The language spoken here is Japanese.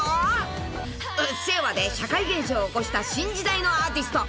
［『うっせぇわ』で社会現象を起こした新時代のアーティスト］